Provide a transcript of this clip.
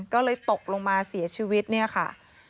ก็เลยตกลงมาเสียชีวิตเนี่ยค่ะ